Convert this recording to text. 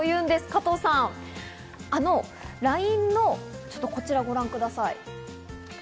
加藤さん、ＬＩＮＥの、こちらをご覧ください。